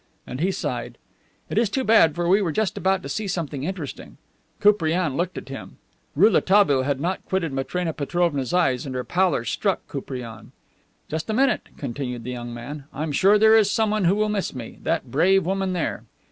And he sighed: "It is too bad, for we were just about to see something interesting." Koupriane looked at him. Rouletabille had not quitted Matrena Petrovna's eyes, and her pallor struck Koupriane. "Just a minute," continued the young man. "I'm sure there is someone who will miss me that brave woman there.